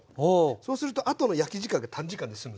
そうするとあとの焼き時間が短時間で済む。